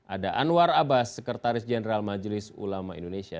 ada anwar abbas sekretaris jenderal majelis ulama indonesia